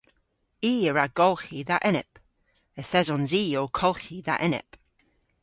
I a wra golghi dha enep. Yth esons i ow kolghi dha enep.